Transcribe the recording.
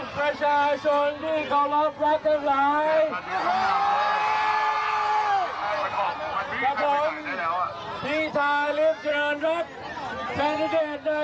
ขอประกาศกับพี่น้องประชาชนนะที่ดีว่า